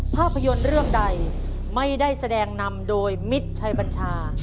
ภาพยนตร์เรื่องใดไม่ได้แสดงนำโดยมิตรชัยบัญชา